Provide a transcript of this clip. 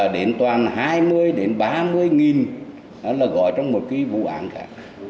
đến toàn hai mươi ba mươi nghìn là gọi trong một cái vụ án cả